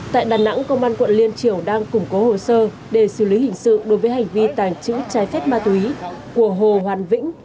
tại đà nẵng công an quận liên triều đang củng cố hồ sơ để xử lý hình sự đối với hành vi tàng trữ trái phép ma túy của hồ hoàn vĩnh